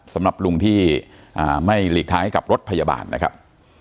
สำหรับลุงที่ไม่หลีกทางให้กับรถพยาบาลนะครับ